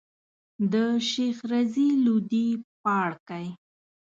د شيخ رضی لودي پاړکی.